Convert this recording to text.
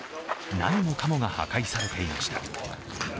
何もかもが破壊されていました。